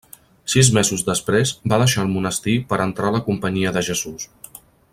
Sis mesos després va deixar el monestir per entrar a la Companyia de Jesús.